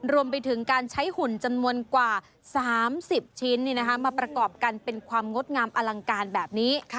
รวมไปถึงการใช้หุ่นจำนวนกว่า๓๐ชิ้นมาประกอบกันเป็นความงดงามอลังการแบบนี้